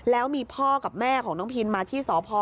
แล้วมีพ่อกับแม่ของน้องพินมาที่สพ